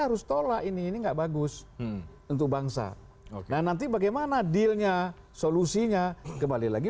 harus tolak ini ini enggak bagus untuk bangsa oke nanti bagaimana dealnya solusinya kembali lagi